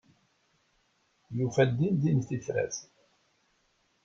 Yufa-d din din tifrat.